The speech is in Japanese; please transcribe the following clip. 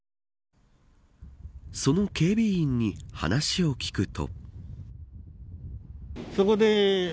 その警備員に話を聞くと。